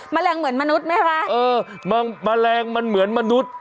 แมลงเหมือนมนุษย์ไหมคะเออแมลงมันเหมือนมนุษย์